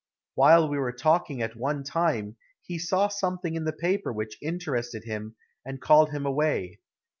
While we were talking at one time he saw something in the paper which interested him and called him away.